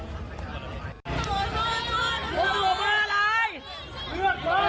น้องตัว